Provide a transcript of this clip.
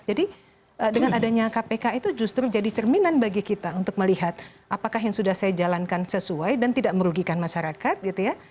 jadi dengan adanya kpk itu justru jadi cerminan bagi kita untuk melihat apakah yang sudah saya jalankan sesuai dan tidak merugikan masyarakat gitu ya